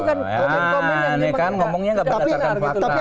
ya aneh kan ngomongnya gak berdasarkan fakta